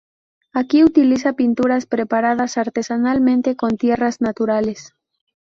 Aquí utiliza pinturas preparadas artesanalmente con tierras naturales.